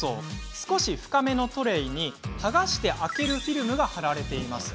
少し深めのトレーに、剥がして開けるフィルムが貼られています。